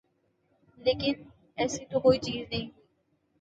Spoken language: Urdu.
لیکن ایسی تو کوئی چیز نہیں ہوئی۔